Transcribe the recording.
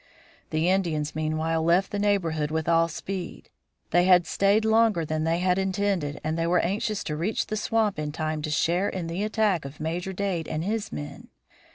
The Indians meanwhile left the neighborhood with all speed. They had stayed longer than they had intended and they were anxious to reach the swamp in time to share in the attack on Major Dade and his men.